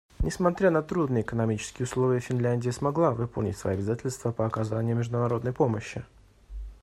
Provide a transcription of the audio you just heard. Несмотря на трудные экономические условия, Финляндия смогла выполнить свои обязательства по оказанию международной помощи.